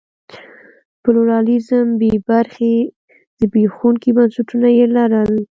پلورالېزم بې برخې زبېښونکي بنسټونه یې لرل.